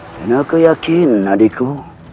dan aku yakin adikku